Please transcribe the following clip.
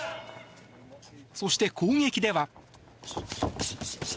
そして攻撃では。